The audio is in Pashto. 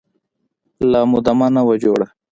لا مو دمه نه وه جوړه.